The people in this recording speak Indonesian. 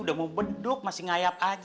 udah mau beduk masih ngayap aja